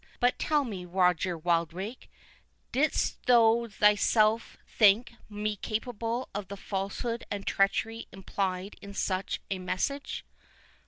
But tell me, Roger Wildrake, didst thou thyself think me capable of the falsehood and treachery implied in such a message?"